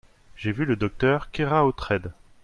J'ai vu le docteur Keraotred.